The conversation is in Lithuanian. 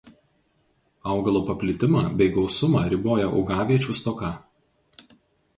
Augalo paplitimą bei gausumą riboja augaviečių stoka.